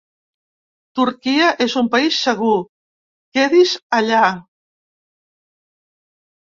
Turquia és un país segur, quedi’s allà.